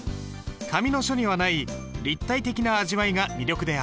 紙の書にはない立体的な味わいが魅力である。